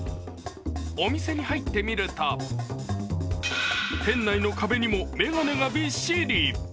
お店に入ってみると、店内の壁にも眼鏡がビッシリ。